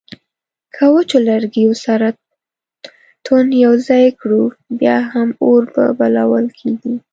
که وچو لرګیو سره توند یو ځای کړو بیا هم اور په بلول کیږي